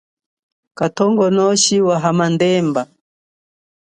Kathongonoshi wa hamandemba.